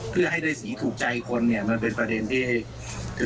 เพื่อให้ได้สีถูกใจคนเนี่ยมันเป็นประเด็นที่